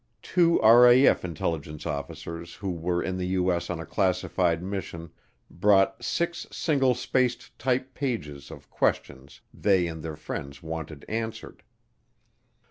Two RAF intelligence officers who were in the U.S. on a classified mission brought six single spaced typed pages of questions they and their friends wanted answered.